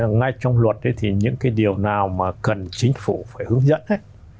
ngay trong luật ấy thì những cái điều nào mà cần chính phủ phải hướng dẫn ấy